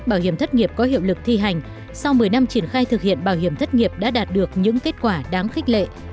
bảo hiểm thất nghiệp có hiệu lực thi hành sau một mươi năm triển khai thực hiện bảo hiểm thất nghiệp đã đạt được những kết quả đáng khích lệ